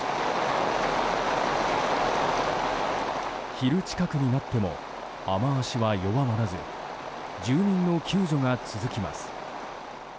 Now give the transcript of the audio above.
昼近くになっても雨脚は弱まらず住民の救助が続きます。